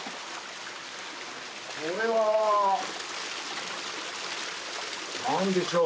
これは何でしょう。